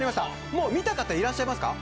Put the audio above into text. もう見た方いらっしゃいますか。